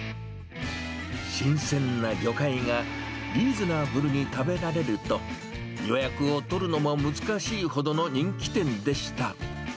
新鮮な魚介がリーズナブルに食べられると、予約を取るのも難しいほどの人気店でした。